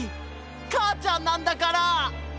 かあちゃんなんだから！